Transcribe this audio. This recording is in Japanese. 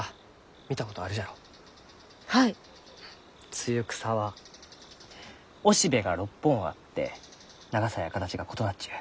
ツユクサは雄しべが６本あって長さや形が異なっちゅう。